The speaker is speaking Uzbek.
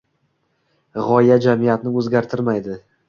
G‘oya jamiyatni o‘zgartirmaydi.